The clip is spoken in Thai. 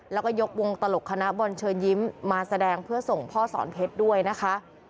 แล้วก็ยกวงตลกคณะบอลเชิญยิ้มมาแสดงเพื่อส่งพ่อสอนเพชรด้วยนะคะ